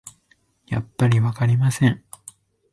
やっぱりわかりません